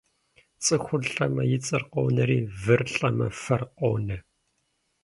Цӏыхур лӏэмэ и цӏэр къонэри, выр лӏэмэ фэр къонэ.